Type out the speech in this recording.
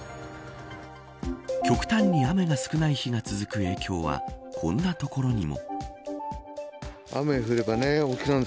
極端に雨が少ない日が続く影響はこんなの所にも。